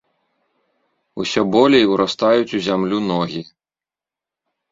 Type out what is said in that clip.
Усё болей урастаюць у зямлю ногі.